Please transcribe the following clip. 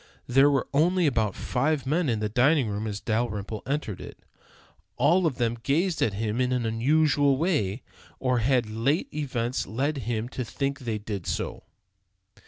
There were only about five men in the dining room as Dalrymple entered it. All of them gazed at him in an unusual way, or had late events led him to think that they did so?